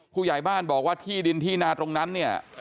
ผู้ใหญ่บ้านบอกว่าที่ดินที่นาตรงนั้นเนี่ย